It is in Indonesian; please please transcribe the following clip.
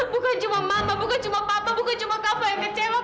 bukan cuma mata bukan cuma papa bukan cuma kava yang kecewa